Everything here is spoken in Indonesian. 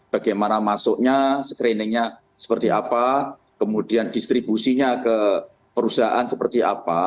bagaimana masuknya screeningnya seperti apa kemudian distribusinya ke perusahaan seperti apa